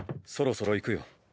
そろそろ行くよ。